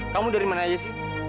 kamu dari mana aja sih